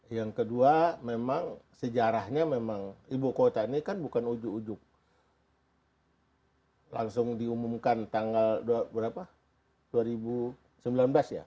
yang kedua memang sejarahnya memang ibu kota ini kan bukan ujuk ujuk langsung diumumkan tanggal berapa dua ribu sembilan belas ya